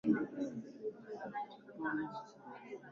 Nitaamka nifue